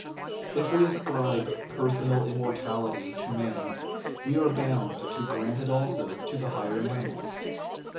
If we ascribe " personal immortality " to man, we are bound to grant it also to the higher animals.